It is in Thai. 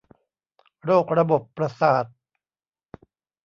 โรคระบบประสาท